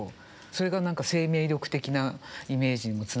それが何か生命力的なイメージにもつながるし。